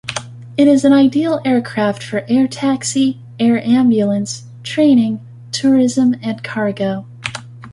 It is an ideal aircraft for air taxi, air ambulance, training, tourism and cargo.